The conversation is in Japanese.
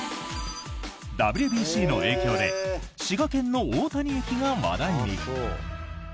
ＷＢＣの影響で滋賀県の大谷駅が話題に。